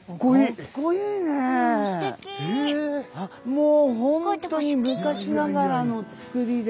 もう本当に昔ながらの作りで。